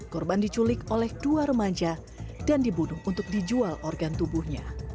korban diculik oleh dua remaja dan dibunuh untuk dijual organ tubuhnya